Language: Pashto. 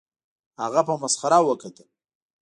هغه په مسخره وکتل